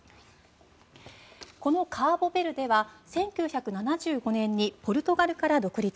このカボベルデは１９７５年にポルトガルから独立。